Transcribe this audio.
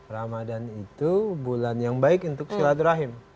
ramadan itu bulan yang baik untuk silaturahim